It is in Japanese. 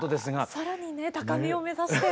更にね高みを目指して。